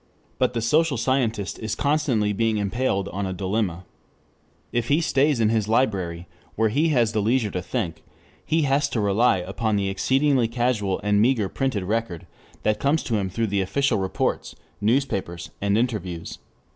But the social scientist is constantly being impaled on a dilemma. If he stays in his library, where he has the leisure to think, he has to rely upon the exceedingly casual and meager printed record that comes to him through official reports, newspapers, and interviews.